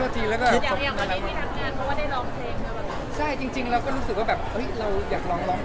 ใช่จริงเราก็รู้สึกว่าแบบเฮ้ยเราอยากลองร้อง